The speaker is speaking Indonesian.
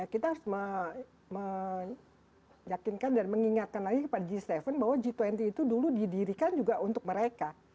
kita harus meyakinkan dan mengingatkan lagi kepada g tujuh bahwa g dua puluh itu dulu didirikan juga untuk mereka